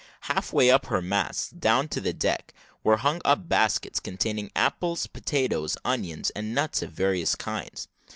Halfway up her masts, down to the deck, were hung up baskets containing apples, potatoes, onions, and nuts of various kinds.